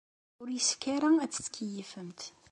Ur yessefk ara ad tettkeyyifemt.